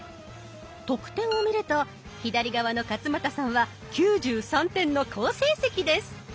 得点を見ると左側の勝俣さんは９３点の好成績です。